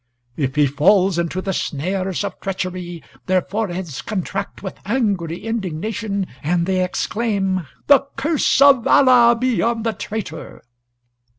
If he falls into the snares of treachery, their foreheads contract with angry indignation and they exclaim, 'The curse of Allah be on the traitor!'